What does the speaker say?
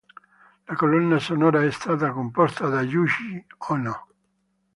Lo colonna sonora è stata composta da Yūji Ōno.